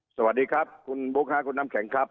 สวัสดีครับคุณบุ๊คคุณน้ำแข็งครับ